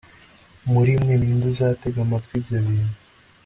muri mwe ni nde uzatega amatwi ibyo bintu